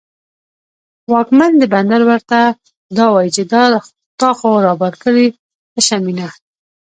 واکمن د بندر ورته دا وايي، چې دا تا خو رابار کړې تشه مینه